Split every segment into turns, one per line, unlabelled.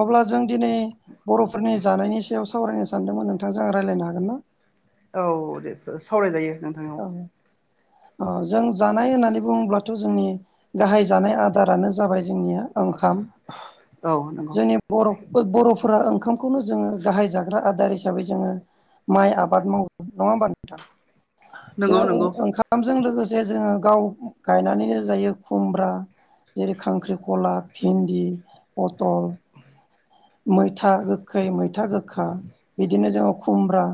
अब्ला जों दिनै बरफोरनि जानायनि सायाव स सावरायनो सानदोंमोन नोंथांजों आं रायलायनो हागोन ना?
औ दे स सावरायजायो नोंथां औ
अ जों जानाय होननानै बुङोब्लाथ जोंनि गाहाय जानाय आदारानो जाबाय जोंनिया ओंखाम
औ नंगौ
जोंनि बर' ओ बरफोरा ओंखामखौनो जोङो गाहाय जाग्रा आदार हिसाबै जोङो माइ आबाद मावो नङा होमबा नोंथां
नंगौ
जोङो ओं
नंगौ
ओंखामजों लोगोसे जोङो गाव गायनानैनो जायो खुमब्रा जेरै खांख्रिखला, भिन्दि, अटल मैथा गोखै मैथा गोखा बिदिनो जोङो खुमब्रा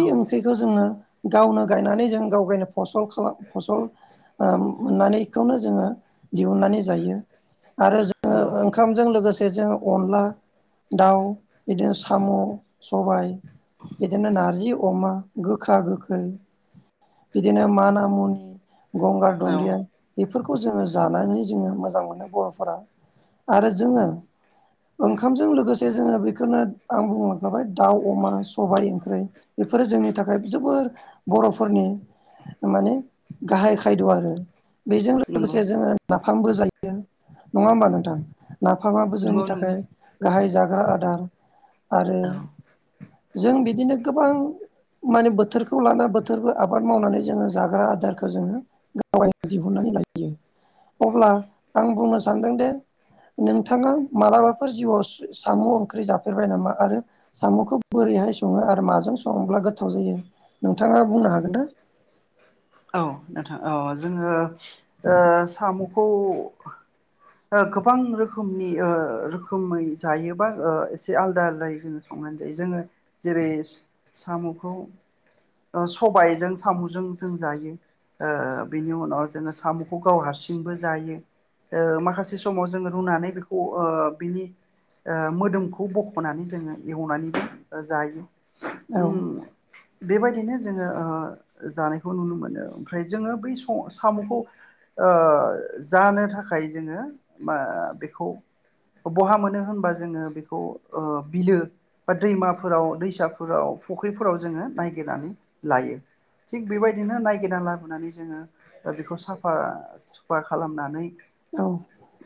औ
ओंख्रिखौ जोङो गावनो गायनानै जों गावगायनो फसल खालाम फसल ओ मोननानैखौनो जोङो दिहुननानै जायो आरो जोङो
नंगौ
ओंखामजों लोगोसे [unintelligible] अनला दाउ बिदिनो सामु सबाय बिदिनो नारजि अमा गोखा गोखै बिदिनो माना मुनि गंगार
औ
दन्दिया बे फोरखौ जोङो जानानै जोङो मोजां मोनो बरफोरा आरो जोङो ओंखामजों लोगोसे जोङो बेखौनो आं बुंलांखाबाय दाउ अमा सबाय ओंख्रि बेफोरो जोंनि थाखाय जोबोर बरफोरनि माने गाहाय खायद आरो बेजों
नंगौ
लोगोसे जोङो ना फामबो जायो नङा होम्बा नोंथां नाफामाबो जोंनि
नंगौ नंगौ
थाखाय गाहाय जा ग्रा आदार आरो
औ
जों बिदिनो गोबां माने बोथोरखौ लाना बोथोरबो आबाद मावनानै जोङो जाग्रा आदारखौ जोङो गावाय दिहुननानै लायो अब्ला आं बुंनो सानदों दे नोंथाङा मालाबा फोर जिउआव साम ओंख्रि जाफेरबाय नामा आरो साम'खौ बोरैहाय सङो आरो माजों सङोब्ला गोथाव जायो नोंथाङा बुंनो हागोन ना?
औ नोंथां औ जोङो ओ साम' खौ । ओ गोबां रोखोमनि ओ रोखोमै जायोबा ओ एसे आलदा आलदायै जोङो संनानै जायो जोङो जेरै साम'खौ ओ सबायजों साम'जों जों जायो ओ बेनि उनाव जोङो साम'खौ गाव हारसिंबो जायो ओ माखा माखासे समाव जोङो रुनानै बेखौ ओ बिनि मोदोमखौ बख'नानै जोङो एवनानैबो जायो ।
औ
उम बेबायदिनो जोङो ओ जानायखौ नुनो मोनो ओमफ्राय जोङो बै स साम'खौ ओ जानो थाखाय जोङो मा बेखौ बहा मोनो होनबा जोङो बेखौ ओ बिलो बा दैमाफोराव दैसाफोराव फुख्रिफोराव जोङो नायगिरनानै लायो थिग बेबायदिनो नायगिरना लाबोनानै जोङो बेखौ साफा सुफा खालामनानै
औ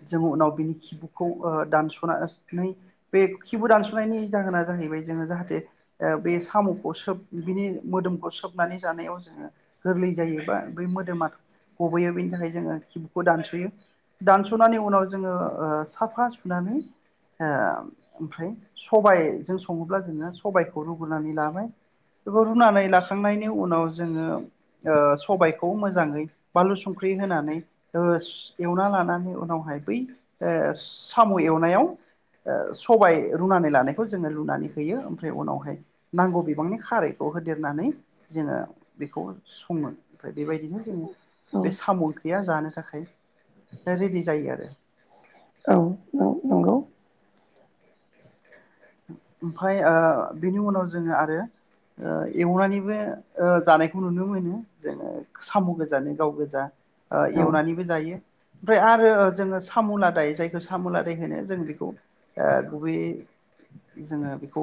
जों उनाव बिनि खिबुखौ ओ दानस'ना नै बे खिबु दानस'नायनि जाहोना जाहैबाय जोङो जाहाथे ओ बे साम'खौ सोब बिनि मोदोमखौ सोबनानै जानायाव जोङो गोरलै जायो बा बे मोदोमा गबोयो बेनि थाखाय जोङो खिबुखौ दानस'यो। दानस'नायनि उनाव जोङो ओ साफा सुनानै ओ ओमफ्राय सबायजों सङोब्ला जोङो सबायखौ रुग्रोनानै लाबाय बे रुनानै लाखांनायनि उनाव जोङो ओ सबायखौ मोजाङै बानलु संख्रि होनानै ओस एवना लानानै नानै उनावहाय बै ओ साम' एवनायाव सबाय रुनानै लानायखौ जोङो लुनानै होयो ओमफ्राय उनावहाय नांगौ बिबांनि खारैखौ होदेरनानै जोङो बेखौ सङो। ओमफ्राय बेबायदिनो जोङो
औ
बे साम' गैया जानो थाखा थाखाय रेडि जायो आरो
औ न नंगौ।
ओमफाय ओ बेनि उनाव जोङो आरो ओ एवनानैबो ओ जानायखौ नुनो मोनो जोङो साम' गोजानो गाव गोजा। ओ
औ
एवनानैबो जायो। ओमफ्राय आरो जोङो सामु लादाय जायखौ सामु लादाय होनो जों बेखौ ओ गुबैयै जोङो बेखौ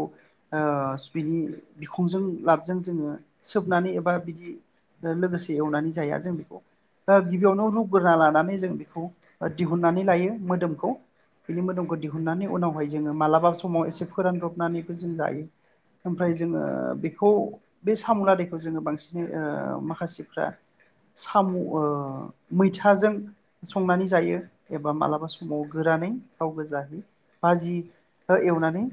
ओस बिनि बिखुंजों लाबजों जोङो सोबनानै एबा बिदि लोगोसे एवनानै जाया जों बेखौ गिबियावनो रुग्रोना लानानै जों बेखौ दिहुननानै लायो मोदोमखौ बिनि मोदोमखौ दिहुननानै उनावहाय जोङो मालाबा समाव एसे फोरान ब्रबनानैबो जों जायो ओमफ्राय जोङो बेखौ बे साम' लादैखौ जोङो बांसिनै ओ माखासेफ्रा साम' ओ मैथाजों संनानै जायो एबा मालाबा समाव गोरानै गाव गोजाहै बाजिबो एवनानै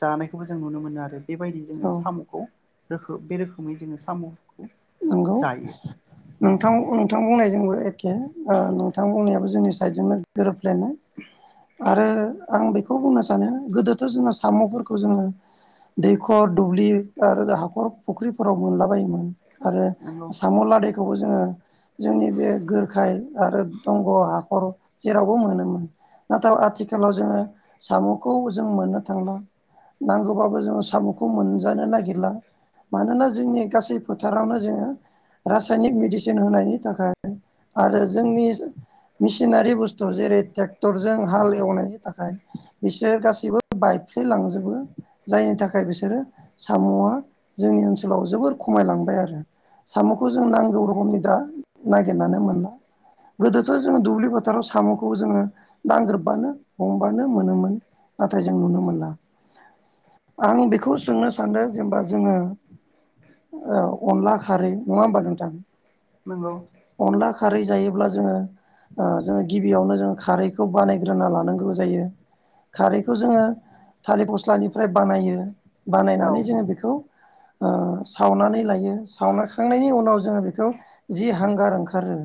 जानायखौबो जों नुनो मोनो आरो बेबायदि जोङो
औ
साम'खौ रोख बे रोखोमै जोङो सामु
नंगौ
औ
नोंथां-नोंथां बुंनाय जोंबो एखे ओ नोंथां बुंनायाबो जोंनि साइडजोंनो गोरोब प्लेनाय। आरो आं बेखौ बुंनो सानो गोदोथ' जोंना साम'फोरखौ जोङो दैखर दुब्लि आरो हाखर फुख्रिफोराव मोनलाबायोमोन। आरो
नंगौ
साम' लादायख खौबो जोङो जोंनि बे गोरखाय आरो दंग' हाखर जेरावबो मोनोमोन नाथाय आथिखालाव जोङो साम'खौ जों मोननो थांला नांगौबाबो जोङो साम'खौ मोनजानो नागिरला मानोना जोंनि गासै फोथारावनो जोङो रासायनिक मेडिसिन होनायनि थाखाय आरो जोंनि मेसिनारि बुस्थु जेरै ट्रेक्टरजों हाल एवनायनि थाखाय बिसोर गासैबो बायफ्लेलांजोबो जायनि थाखाय बिसोरो साम'आ जोंनि ओनसोलाव जोबोर खम खमायलांबाय आरो साम'खौ जों नांगौ रोखोमनि दा नागिरनानै मोनला गोदोथ' जोंङो दुब्लि फोथाराव साम'खौ जोङो दांग्रोबबानो हमबानो मोनोमोन नाथाय जों नुनो मोनला आं बेखौ सोंनो सानदों जेनेबा जोङो औ अनला खारै नङा होमबा नोंथां
नंगौ
अनला खारै जायोब्ला जोङो ओ जोङो गिबियावनो जोङो खारैखौ बानायग्रोना लानांगौ जायो खारैखौ जोङो थालिर फस्लानिफ्राय बानायो।
औ
बानायनानै जोङो बेखौ ओ सावनानै लायो। यो सावना खांनायनि उनाव जोङो बे खौ जि हांगार ओंखारो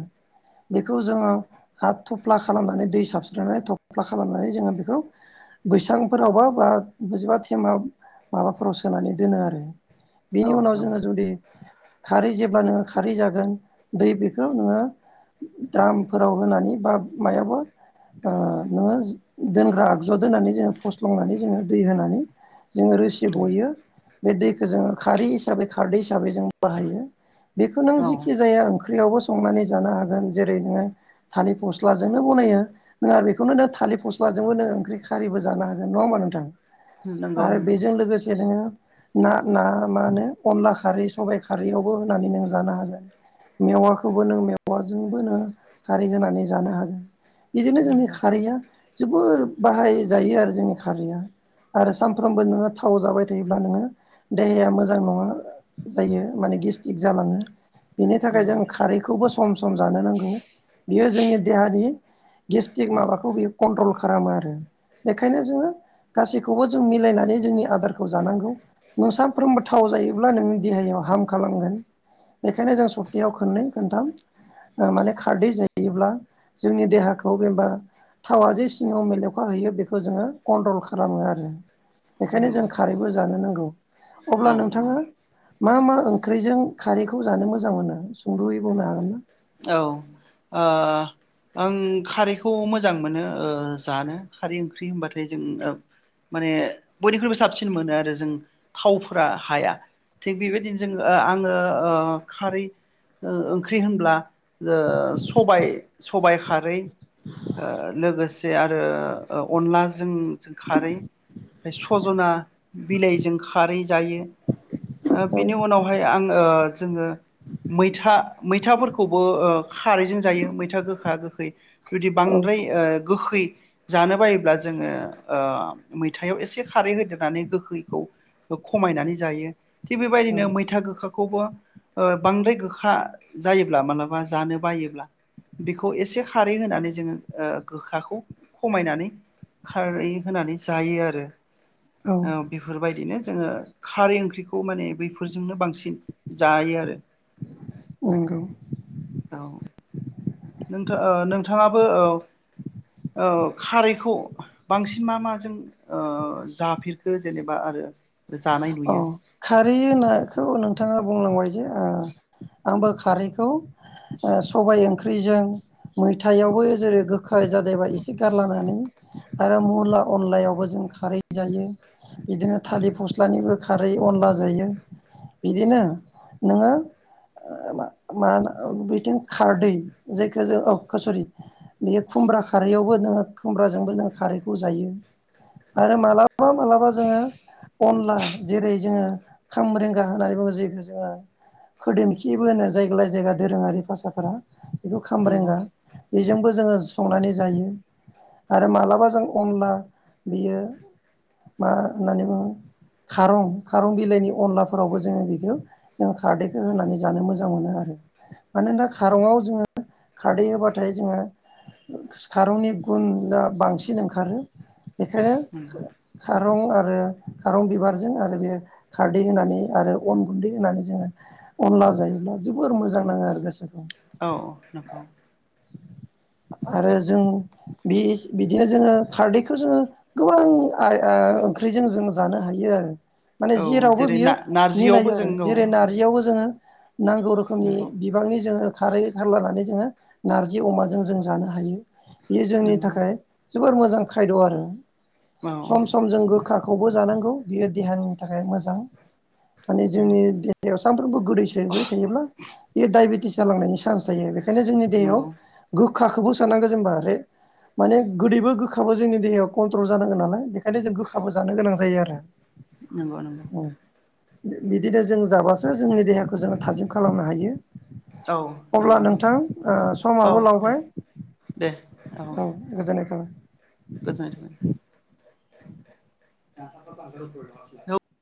बेखौ जोङो हा थफ्ला खालामनानै दै साबस्रनानै थफ्ला खालामनानै जोङो बेखौ बैसांफोरावबा बा बजिबा थेमा माबाफोराव सोनानै दोनो आरो। बिनि
औ
उनाव।
नंगौ
जोङो जुदि । खारै जेब्ला नोङो खारै जागोन दै बेखौ नोङो द्रामफोराव होनानै बा मायावबा ओ नोङो दोनग्रा आगजु दोननानै जोङो । फस्लंनानै जोङो दै होनानै। जोङो रोसि गयो बे दैखौ जोङो खारै हिसाबै। हिसाबै जों बाहायो। बेखो नों
औ
जिखि जाया ओं ख्रियावबो संनानै जानो हागोन जेरै नोङो थालिर फस्लाजोंनो बनायो नों आरो बेखौनो नों थालिर फस्लाजोंबो नोङो ओंख्रि खारैबो जानो हागोन नङा होमबा नोंथां।
नंगौ नंगौ
आरो बेजों लोगोसे नोङो। ना। ना मा होनो। खारै सबाय खारैयावबो होनानै नों जानो हागोन मेवाखौबो नों मेवाजोंबो नों खारै होनानै जानो हागोन। बिदिनो जोंनि
नंगौ
खारैया। जोबोर बाहायजायो आरो जोंनि खारैया आरो सानफ्रोमबो नोङो थाव जाबाय थायोब्ला नोङो देहाया मोजां नङा। जायो माने गेस्टिक जालाङो। बेनि थाखाय
नंगौ
जों खारैखौबो स सम जानो नांगौ बियो जोंनि देहानि गेस्टिक माबाखौ बियो कन्ट्रल खा खालामो आरो बेखायनो जोङो गासैखौबो जों मिलायनानै जोंनि आदारखौ जानांगौ नों सानफ्रोमबो थाव जायो। अब्ला नोंनि देहायाव हार्म खालामगोन बेखायनो जों सप्तायाव खोननै खोनथाम माने खारदै जायोब्ला जोंनि देहाखौ एबा थावा जे सिङाव मेलेवखा हैयो बेखौ जोङो कन्ट्रल खालामो आरो। बेखायनो जों
नंगौ
खारैबो जानो नांगौ
औ
अब्ला
नंगौ
नोंथाङा। मा मा ओंख्रिजों खारैखौ जानो मोजां मोनो सुंद'यै बुंनो हागोनना?
औ ओ आं खारैखौ मोजां मोनो ओ जानो खारै ओंख्रि होनबाथाय जों माने बयनिख्रुइबो साबसिन मोनो आरो जों थावफोरा हाया थिग बेबायदिनो जों आङो ओ खारै ओ ओंख्रि होनब्ला। जो सबाय सबाय। खारै। ओ लोगो से आरो ओ अनलाजों जों खारै ओमफ्राय सजना बिलाइजों खारै जायो ओ
औ
बिनि उनावहाय आं ओ जोङो मैथा मैथाफोर खौबो ओ खारैजों जायो मैथा गोखा गोखै जुदि
औ
बांद्राय ओ गोखै जानो बायोब्ला जोङो ओ मैथायाव एसे खारै होदेरनानै गोखैखौ खमायनानै जायो थिग
औ
बेबायदिनो मैथा गोखा खौबो ओ बांद्राय गोखा जायो ब्ला मालाबा जानो बायोब्ला बेखौ एसे खारै होनानै जोङो ओ गोखाखौ खमायनानै खारै होनानै जायो आरो औ बेफोर बायदिनो जोङो खारै ओंख्रिखौ माने बेफोरजोंनो बांसिन जायो आरो
नंगौ
औ नोंथा ओ नोंथाङाबो औ औ खारैखौ बांसिन मा माजों ओ जाफेरखो जेनेबा आरो जानाय
औ
नुयो
खारै [unintelligible] नोंथाङा बुंलांबाय जे ओ आंबो खारैखौ ओ सबाय ओंख्रिजों
औ
मैथायावबो जेरै गोखा जादोबा एसे गारलानानै आरो मुला अनलायावबो जों खारै जायो बिदिनो थालिर [unintelligible] खारै अनला जायो बिदिनो नोङो ओ मा मा होना बेथिं खारदै जायखौ जोङो ओ सरि बे खुमब्रा खारैयावबो नोङो खुमब्राजोंबो जोङो खारैखौ जायो आरो मालाबा मालाबा जोङो अनला जेरै जोङो खाम्ब्रेंगा होननानै बुङो जिखौ जोङो खोरदै मोखिबो होनो जायगा लायि जायगा दोरोङारि भासाफोरा बेखौ
नंगौ
खाम्ब्रेंगा बेजोंबो जोङो संनानै जायो आरो मालाबा जों अनला बियो मा होननानै बुङो खारं खारं बिलाइनि अनलाफोरावबो जोङो बेखौ जों खारदैखौ होनानै जानो मोजां मोनो आरो मानो [unintelligible] खारंआव जोङो खारदै होबाथाय जोङो खारंनि गुना बांसिन ओंखारो बेखायनो
नंगौ
खा-खारं आ रो खारं बिबारजों आरो बे खारदै होनानै आरो अन गुन्दै होनानै जोङो अनला जायोब्ला जोबोर मोजां नाङो आरो गोसोखो
औ औ नोंगौ
आरो जों [unintelligible] बिदिनो जोङो खारदैखौ जोङो गोबां आ आ ओंख्रिजों जों जानो हायो आरो माने
औ
जेरावबो
जेरै
बियो
ना नारजियावबो
मिलायो
जों
आरो
औ
जेरै नारजियावबो जोङो नांगौ रोखोमनि
नंगौ
बिबांनि जोङो खारै होदलानानै जोङो नारजि अमाजों जों जानो हायो बेयो जोंनि
नंगौ
थाखाय जोबोर मोजां खायद' आरो
औ
सम सम जों गोखा खौबो जानांगौ बियो देहानि थाखाय मोजां। माने
नंगौ
जोंनि देहायाव सानफ्रोमबो गोदै सोबाय थायोब्ला बेयो दाइबे टिस जांलांनायनि चान्स थायो आरो। खायनो जोंनि देहायाव
नंगौ
गो खाखौबो सोनांगौ जेनबा बे माने गोदैबो गोखाबो जोंनि देहायाव कन्ट्रल जानांगोन नालाय बेखायनो जों गोखाबो जानो गोनां जायो आरो।
नोंगौ नोंगौ।
बिदिनो जों जाबासो जोंनि देहाखौ जोङो थाजिम खालामनो हायो।
औ
अब्ला
नंगौ
नोंथां ओ
औ
समाबो
दे
लावबाय
दे
औ गोजोननाय थाबाय।
गोजोननाय थाबाय। औ